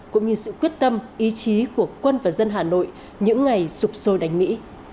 cũng như sự quyết tâm ý chí của quân và dân hà nội những ngày sụp sôi đánh mỹ